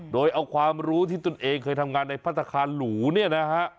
โดยเอาความรู้ที่ตนเองเคยทำงานในพัฒนาคารหรูเนี่ยนะฮะ